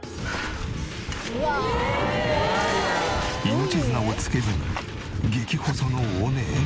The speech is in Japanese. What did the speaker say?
命綱をつけずに激細の尾根へ。